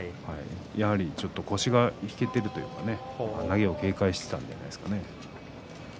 やはり腰が引けているというか投げを警戒していたというか。